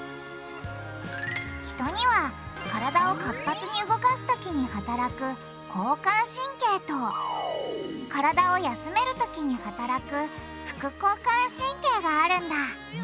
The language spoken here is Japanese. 人には体を活発に動かすときにはたらく「交感神経」と体を休めるときにはたらく「副交感神経」があるんだ。